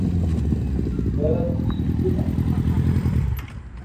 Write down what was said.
Les fleurs sont peu parfumées.